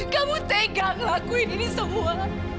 kamu tega ngelakuin ini semua